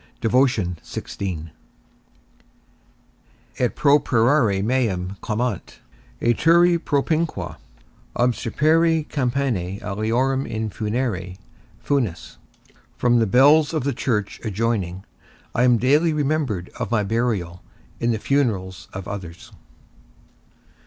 1 Thes. v. 10. XVI. ET PROPERARE MEUM CLAMANT, E TURRE PROPINQUA, OBSTREPERÆ CAMPANÆ ALIORUM IN FUNERE, FUNUS. _From the bells of the church adjoining, I am daily remembered of my burial in the funerals of others.